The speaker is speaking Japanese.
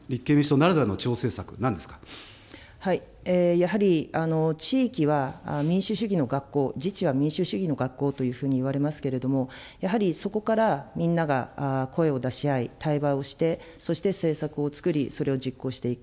立憲民主党ならでやはり地域は民主主義の学校、自治は民主主義の学校というふうに言われますけれども、やはりそこからみんなが声を出し合い、対話をして、そして政策をつくり、それを実行していく。